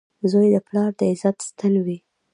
• زوی د پلار د عزت ستن وي.